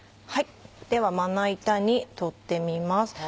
ではまな板に取ってみます。